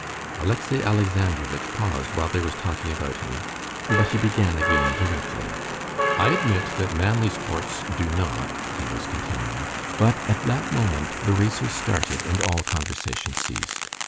Alexey Alexandrovitch paused while there was talking about him, but he began again directly. "I admit that manly sports do not...." he was continuing. But at that moment the racers started, and all conversation ceased.